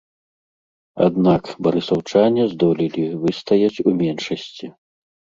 Аднак барысаўчане здолелі выстаяць у меншасці.